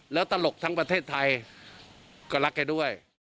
แล้วตลกทั้งประเทศไทยก็รักแกด้วย